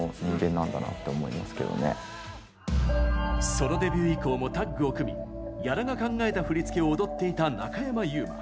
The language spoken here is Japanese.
ソロデビュー以降もタッグを組み、屋良が考えた振り付けを踊っていた中山優馬。